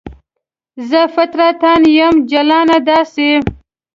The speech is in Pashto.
زه فطرتاً یم جلانه داسې